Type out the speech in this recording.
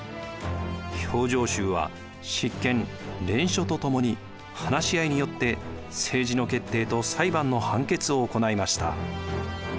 評定衆は執権連署と共に話し合いによって政治の決定と裁判の判決を行いました。